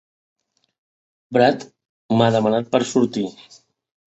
Brad m'ha demanat per sortir.